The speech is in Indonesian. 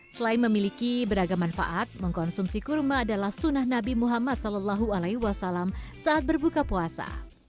selain memiliki beragam manfaat mengkonsumsi kurma adalah sunnah nabi muhammad saw saat berbuka puasa